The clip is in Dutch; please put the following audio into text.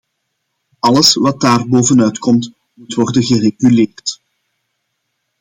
Alles wat daar bovenuit komt, moet worden gereguleerd.